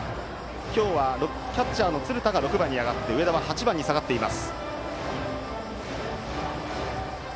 今日はキャッチャーの鶴田が６番に上がって上田は８番に下がっています。